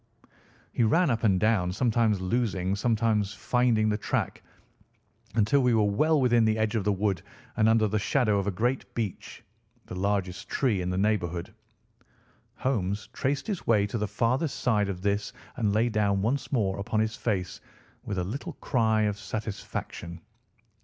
He ran up and down, sometimes losing, sometimes finding the track until we were well within the edge of the wood and under the shadow of a great beech, the largest tree in the neighbourhood. Holmes traced his way to the farther side of this and lay down once more upon his face with a little cry of satisfaction.